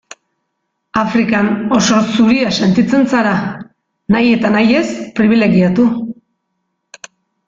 Afrikan oso zuria sentitzen zara, nahi eta nahi ez pribilegiatu.